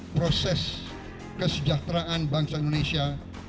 proses kesejahteraan bangsa indonesia